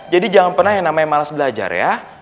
jadi jangan pernah yang namanya malas belajar ya